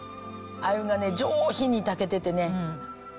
鮎がね上品に炊けててね。